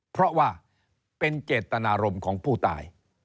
เพราะว่าเป็นเจตนารมณ์ของผู้ตาย